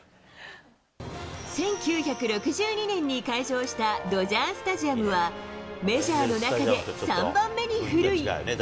１９６２年に開場したドジャースタジアムは、メジャーの中で３番目に古い。